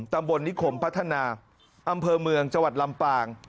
ตำบลนิคมพัฒนาอำเภอเมืองจังหวัดลำปาง